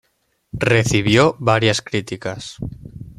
Recibió varias críticas.